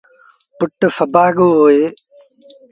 پُٽ سڀآڳو هوئي۔